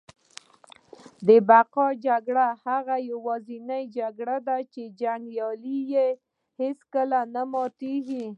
د بقا جګړه هغه یوازینۍ جګړه ده چي جنګیالي یې هیڅکله نه ماتیږي